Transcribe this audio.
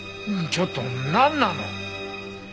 ちょっとなんなの！？